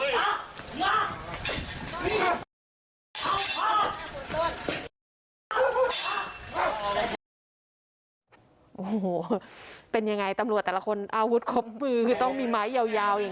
โอ้โหเป็นยังไงตำรวจแต่ละคนอาวุธครบมือคือต้องมีไม้ยาวอย่างนี้